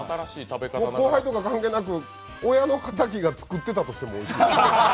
後輩とか関係なくて、親の敵が作っていたとしてもおいしい。